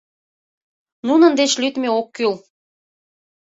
Нунын деч лӱдмӧ ок кӱл.